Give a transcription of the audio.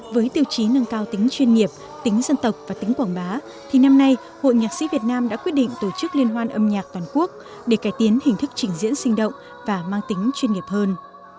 với tiêu chí nâng cao tính chuyên nghiệp tính dân tộc và tính quảng bá thì năm nay hội nhạc sĩ việt nam đã quyết định tổ chức liên hoan âm nhạc toàn quốc để cải tiến hình thức trình diễn sinh động và mang tính chuyên nghiệp hơn